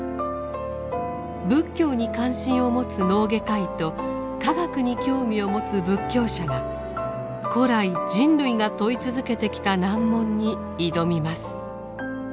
仏教に関心を持つ脳外科医と科学に興味を持つ仏教者が古来人類が問い続けてきた難問に挑みます。